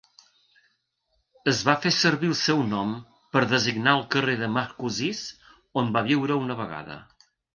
Es va fer servir el seu nom per designar el carrer de Marcoussis on va viure una vegada.